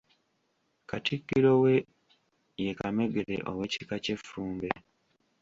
Katikkiro we ye Kamegere ow'ekika ky'Effumbe.